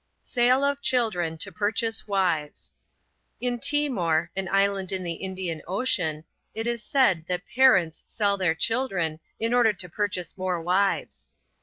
SALE OF CHILDREN TO PURCHASE WIVES. In Timor, an island in the Indian Ocean, it is said, that parents sell their children in order to purchase more wives.